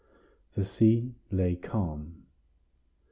The sea lay calm.